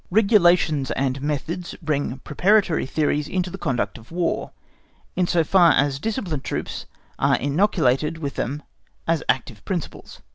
Regulations and methods bring preparatory theories into the conduct of War, in so far as disciplined troops are inoculated with them as active principles.